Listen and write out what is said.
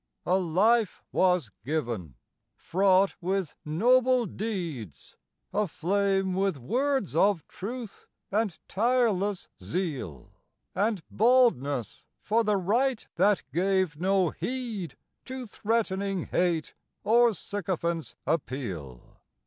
A Life was given; fraught with noble deeds; Aflame with words of truth, and tireless zeal, And boldness for the right that gave no heed To threatening hate, or sycophant's appeal.